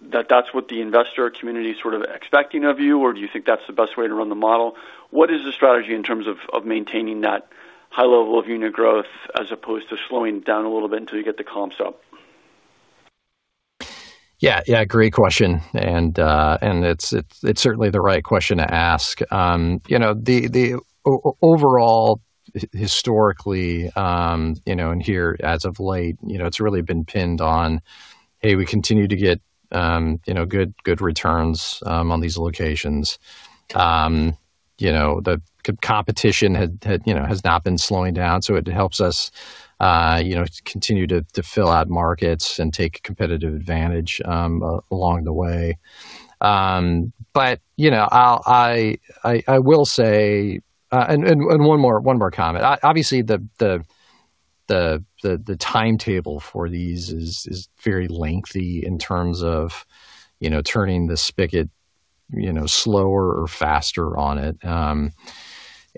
that's what the investor community is sort of expecting of you, or do you think that's the best way to run the model? What is the strategy in terms of maintaining that high level of unit growth as opposed to slowing down a little bit until you get the comps up? Yeah. Yeah, great question. It's certainly the right question to ask. You know, overall historically, you know, and here as of late, you know, it's really been pinned on A, we continue to get, you know, good returns on these locations. You know, the competition has not been slowing down, so it helps us, you know, to continue to fill out markets and take competitive advantage along the way. You know, I will say one more comment. Obviously, the timetable for these is very lengthy in terms of, you know, turning the spigot, you know, slower or faster on it.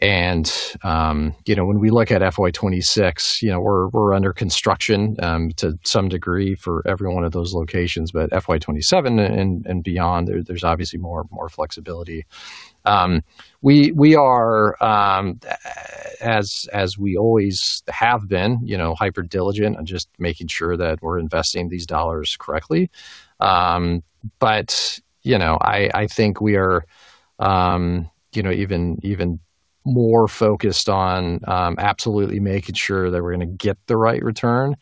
You know, when we look at FY 2026, you know, we're under construction to some degree for every one of those locations. FY 2027 and beyond, there's obviously more flexibility. We are as we always have been, you know, hyper-diligent on just making sure that we're investing these dollars correctly. You know, I think we are, you know, even more focused on absolutely making sure that we're gonna get the right return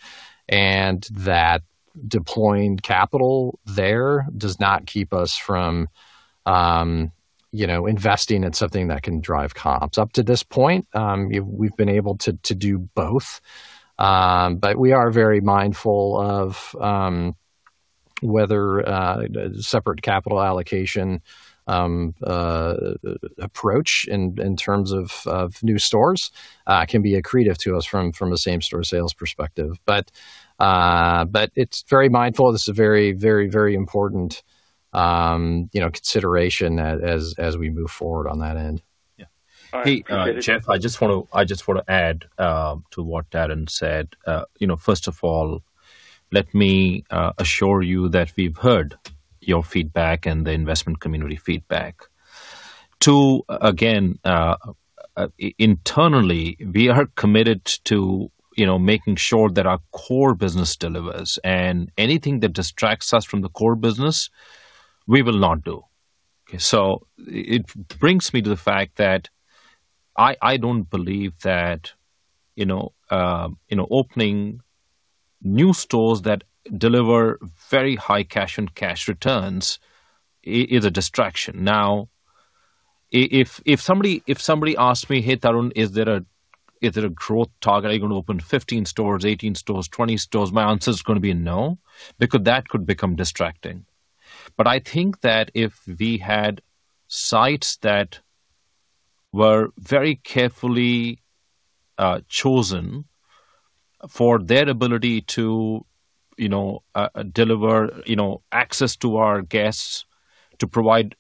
and that deploying capital there does not keep us from, you know, investing in something that can drive comps. Up to this point, we've been able to do both. We are very mindful of whether separate capital allocation approach in terms of new stores can be accretive to us from a same store sales perspective. We're very mindful. This is a very important, you know, consideration as we move forward on that end. Yeah. All right. Hey, Jeff, I just wanna add to what Darin said. You know, first of all, let me assure you that we've heard your feedback and the investment community feedback. Two, again, internally, we are committed to, you know, making sure that our core business delivers. Anything that distracts us from the core business, we will not do. Okay, it brings me to the fact that I don't believe that, you know, opening new stores that deliver very high cash and cash returns is a distraction. Now, if somebody asks me, "Hey, Tarun, is there a growth target? Are you gonna open 15 stores, 18 stores, 20 stores?" My answer is gonna be no, because that could become distracting. I think that if we had sites that were very carefully chosen for their ability to deliver access to our guests to provide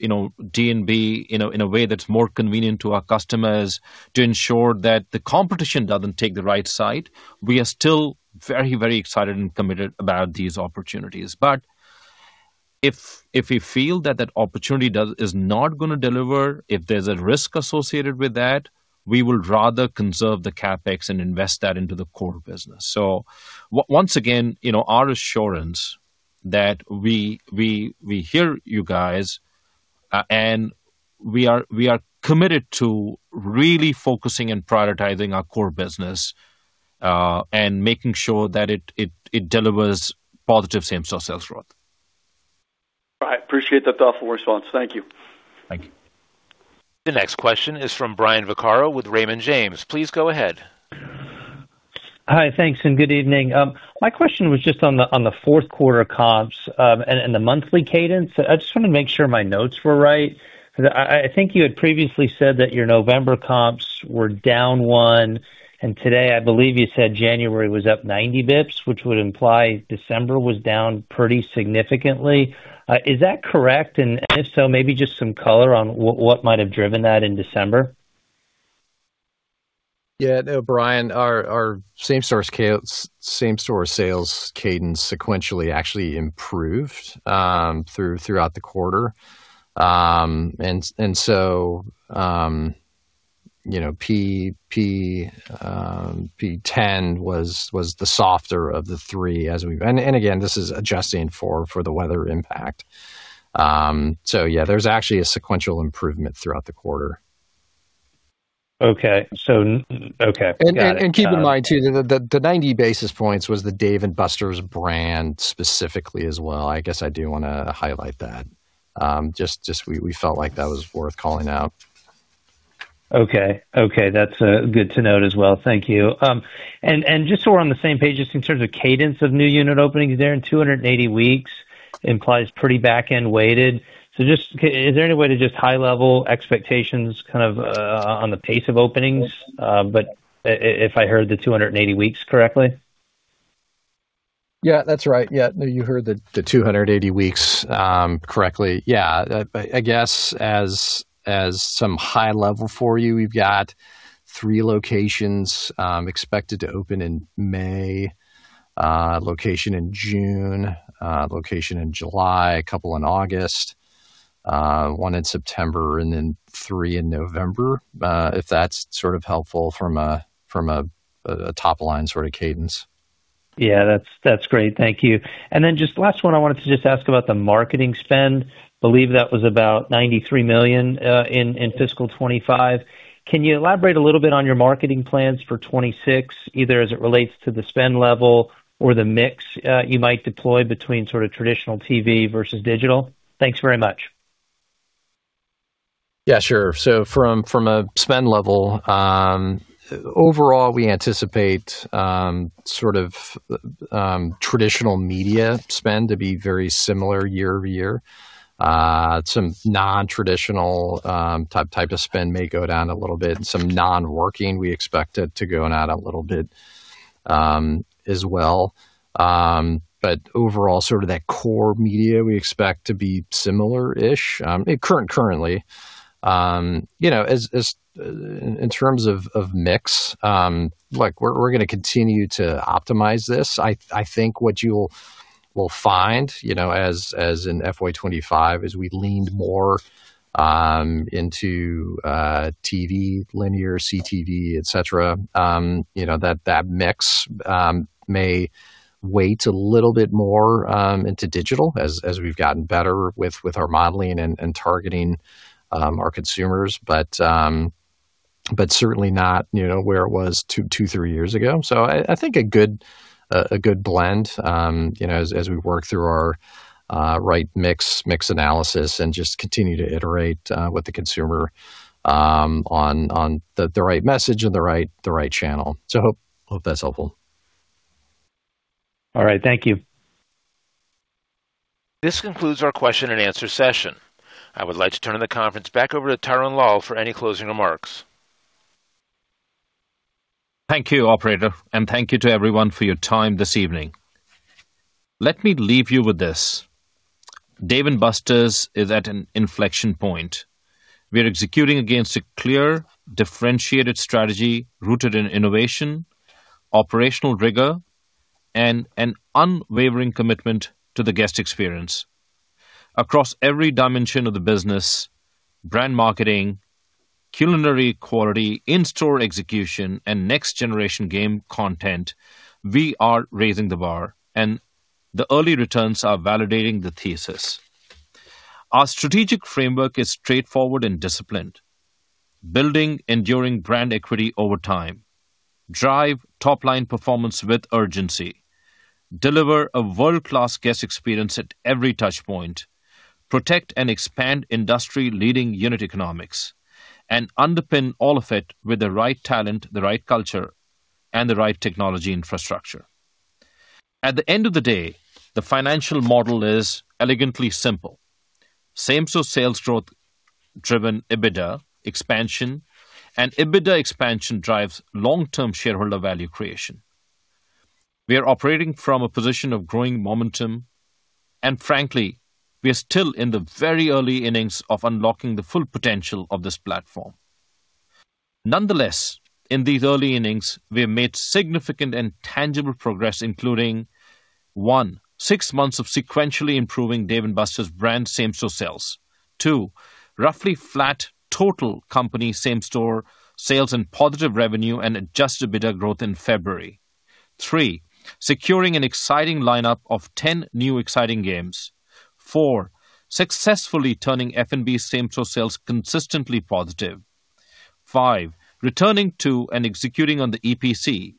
D&B in a way that's more convenient to our customers to ensure that the competition doesn't take the right side. We are still very, very excited and committed about these opportunities. If we feel that opportunity is not gonna deliver, if there's a risk associated with that, we will rather conserve the CapEx and invest that into the core business. Once again, our assurance that we hear you guys and we are committed to really focusing and prioritizing our core business and making sure that it delivers positive same store sales growth. All right. Appreciate the thoughtful response. Thank you. Thank you. The next question is from Brian Vaccaro with Raymond James. Please go ahead. Hi, thanks and good evening. My question was just on the fourth quarter comps and the monthly cadence. I just wanna make sure my notes were right. I think you had previously said that your November comps were down one, and today I believe you said January was up 90 basis points, which would imply December was down pretty significantly. Is that correct? And if so, maybe just some color on what might have driven that in December. Yeah. No, Brian, our same store sales cadence sequentially actually improved throughout the quarter. You know, P10 was the softer of the three. Again, this is adjusting for the weather impact. Yeah, there's actually a sequential improvement throughout the quarter. Okay. Okay, got it. Keep in mind too, the 90 basis points was the Dave & Buster's brand specifically as well. I guess I do wanna highlight that. Just we felt like that was worth calling out. Okay. That's good to note as well. Thank you. And just so we're on the same page, just in terms of cadence of new unit openings there in 280 weeks implies pretty back-end weighted. Is there any way to just high-level expectations kind of on the pace of openings? But if I heard the 280 weeks correctly. Yeah, that's right. Yeah. No, you heard the 280 weeks correctly. Yeah. I guess as some high level for you, we've got three locations expected to open in May, location in June, location in July, a couple in August, one in September, and then three in November. If that's sort of helpful from a top line sort of cadence. Yeah, that's great. Thank you. Just last one. I wanted to just ask about the marketing spend. I believe that was about $93 million in fiscal 2025. Can you elaborate a little bit on your marketing plans for 2026, either as it relates to the spend level or the mix you might deploy between sort of traditional TV versus digital? Thanks very much. Yeah, sure. From a spend level, overall, we anticipate sort of traditional media spend to be very similar year-over-year. Some non-traditional type of spend may go down a little bit. Some non-working we expect it to go down a little bit, as well. But overall, sort of that core media we expect to be similar-ish, currently. You know, as in terms of mix, like we're gonna continue to optimize this. I think what you'll find, you know, as in FY 2025 is we leaned more into TV, linear CTV, etc. You know, that mix may weigh a little bit more into digital as we've gotten better with our modeling and targeting our consumers. Certainly not, you know, where it was two, three years ago. I think a good blend, you know, as we work through our right mix analysis and just continue to iterate with the consumer on the right message and the right channel. I hope that's helpful. All right. Thank you. This concludes our question and answer session. I would like to turn the conference back over to Tarun Lal for any closing remarks. Thank you, operator, and thank you to everyone for your time this evening. Let me leave you with this. Dave & Buster's is at an inflection point. We are executing against a clear differentiated strategy rooted in innovation, operational rigor, and an unwavering commitment to the guest experience. Across every dimension of the business, brand marketing, culinary quality, in-store execution, and next-generation game content, we are raising the bar, and the early returns are validating the thesis. Our strategic framework is straightforward and disciplined, building enduring brand equity over time, drive top-line performance with urgency, deliver a world-class guest experience at every touch point, protect and expand industry-leading unit economics, and underpin all of it with the right talent, the right culture, and the right technology infrastructure. At the end of the day, the financial model is elegantly simple. Same-store sales growth driven EBITDA expansion and EBITDA expansion drives long-term shareholder value creation. We are operating from a position of growing momentum, and frankly, we are still in the very early innings of unlocking the full potential of this platform. Nonetheless, in these early innings, we have made significant and tangible progress, including one, six months of sequentially improving Dave & Buster's brand same-store sales. Two, roughly flat total company same-store sales and positive revenue and adjusted EBITDA growth in February. Three, securing an exciting lineup of 10 new exciting games. Four, successfully turning F&B same-store sales consistently positive. Five, returning to and executing on the EPC,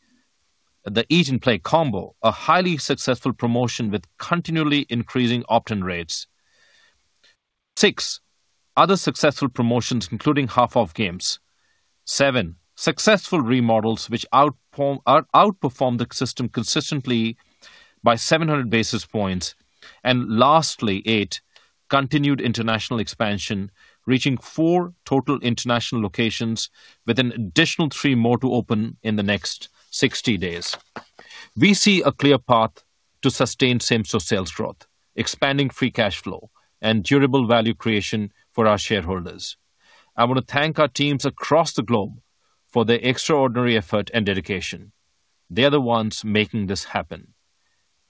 the Eat and Play Combo, a highly successful promotion with continually increasing opt-in rates. Six, other successful promotions, including half-off games. Seven, successful remodels which outperform the system consistently by 700 basis points. Lastly, eight, continued international expansion, reaching four total international locations with an additional three more to open in the next 60 days. We see a clear path to sustain same-store sales growth, expanding free cash flow, and durable value creation for our shareholders. I want to thank our teams across the globe for their extraordinary effort and dedication. They are the ones making this happen.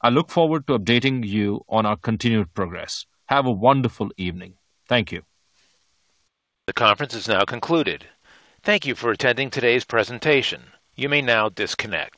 I look forward to updating you on our continued progress. Have a wonderful evening. Thank you. The conference is now concluded. Thank you for attending today's presentation. You may now disconnect.